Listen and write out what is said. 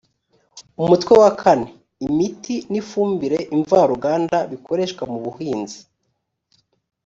umutwe wa kane imiti n ifumbire imvaruganda bikoreshwa mu buhinzi